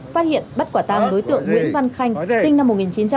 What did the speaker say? phát hiện bắt quả tang đối tượng nguyễn văn khanh sinh năm một nghìn chín trăm bảy mươi hai